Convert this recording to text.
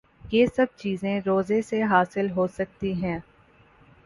یہ سب چیزیں روزے سے حاصل ہو سکتی ہیں